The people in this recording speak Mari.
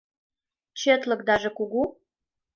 — Четлыкдаже кугу?